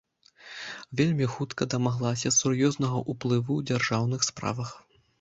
Вельмі хутка дамаглася сур'ёзнага ўплыву ў дзяржаўных справах.